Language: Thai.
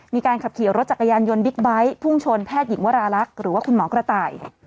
มีการขับขี่รถจักรยานยนต์บิ๊กไบท์พุ่งชนแพทย์หญิงวราลักษณ์หรือว่าคุณหมอกระต่าย